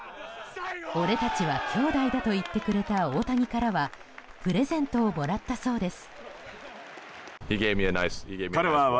俺たちは兄弟だと言ってくれた大谷からはプレゼントをもらったそうです。